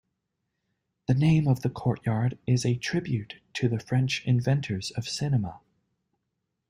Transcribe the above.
The name of the courtyard is a tribute to the French inventors of cinema.